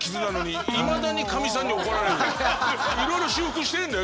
いろいろ修復してんだよ